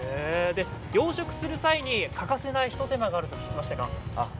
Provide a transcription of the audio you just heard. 養殖する際に欠かせないひと手間があるとお聞きしました。